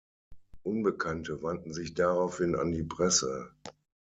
Unbekannte wandten sich daraufhin an die Presse.